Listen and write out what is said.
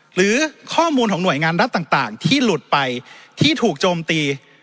หรือข้อมูลของหน่วยงานรัฐต่างที่หลุดไปที่ถูกโจมตี